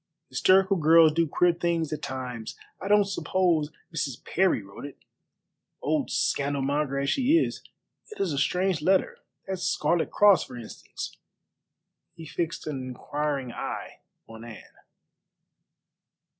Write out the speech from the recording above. Hysterical girls do queer things at times. I don't suppose Mrs. Parry wrote it, old scandal monger as she is. It is a strange letter. That Scarlet Cross, for instance." He fixed an inquiring eye on Anne.